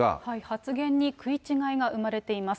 発言に食い違いが生まれています。